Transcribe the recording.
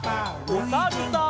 おさるさん。